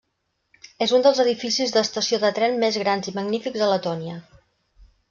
És un dels edificis d'estació de tren més grans i magnífics a Letònia.